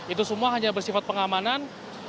itu semua hanya bersifat pengamanan